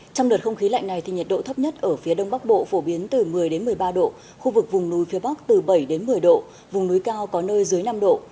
trong đợt không khí lạnh này thì nhiệt độ thấp nhất ở phía đông bắc bộ phổ biến từ một mươi một mươi ba độ khu vực vùng núi phía bắc từ bảy đến một mươi độ vùng núi cao có nơi dưới năm độ